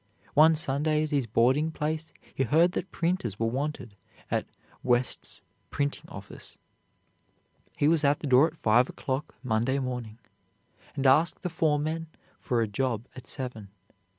One Sunday at his boarding place he heard that printers were wanted at "West's Printing office." He was at the door at five o'clock Monday morning, and asked the foreman for a job at seven.